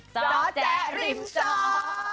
จ๊อจ๊ะริมจอร์